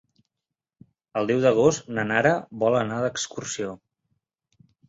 El deu d'agost na Nara vol anar d'excursió.